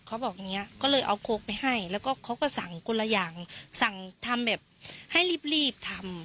เขาบอกอย่างเงี้ยก็เลยเอาโค้กไปให้แล้วก็เขาก็สั่งคนละอย่างสั่งทำแบบให้รีบทำ